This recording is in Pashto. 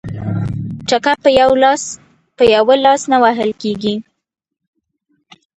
ـ چکه په يوه لاس نه وهل کيږي.